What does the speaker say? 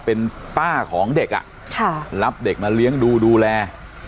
เป็นป้าของเด็กรับเด็กมาเลี้ยงดูดูแล